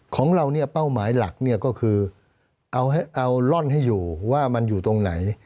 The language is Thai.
ของเราเป้าหมายหลักก็คือเอาล่อนให้อยู่ว่ามันอยู่ตรงไหน